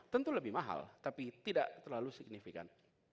tentu lebih mahal tapi tidak terlalu signifikan